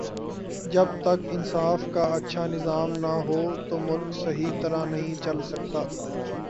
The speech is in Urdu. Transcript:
جب تک انصاف کا اچھا نظام نہ ہو تو ملک صحیح طرح نہیں چل سکتا